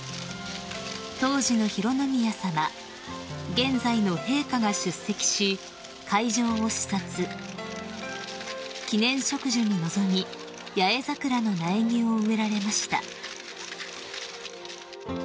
［当時の浩宮さま現在の陛下が出席し会場を視察記念植樹に臨みヤエザクラの苗木を植えられました］